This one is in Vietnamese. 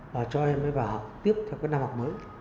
và cho em mới vào học tiếp theo cái năm học mới